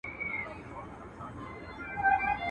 پر آس، ښځي او توري باور مه کوه.